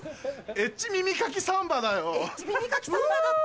エッチ耳かきサンバだった。